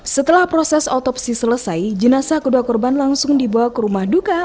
setelah proses otopsi selesai jenazah kedua korban langsung dibawa ke rumah duka